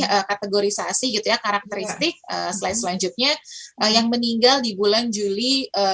ini kategorisasi karakteristik selanjutnya yang meninggal di bulan juli dua ribu dua puluh satu